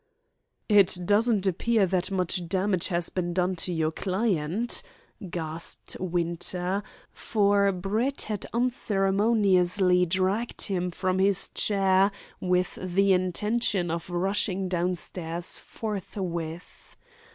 "It doesn't appear that much damage has been done to your client," gasped Winter, for Brett had unceremoniously dragged him from his chair with the intention of rushing downstairs forthwith.